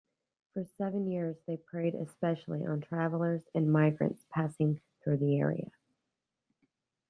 For seven years they preyed especially on travelers and migrants passing through the area.